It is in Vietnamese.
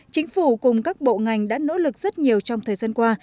chính phủ cùng các bộ ngành đã nỗ lực rất nhiều trong thời gian qua